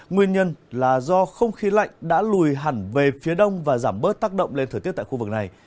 nguyên nhân là do không khí lạnh đã lùi hẳn về phía đông và giảm bớt tác động lên thời tiết tại khu vực này